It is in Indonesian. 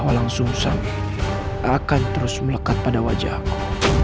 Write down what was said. walang sung sang akan terus melekat pada wajahku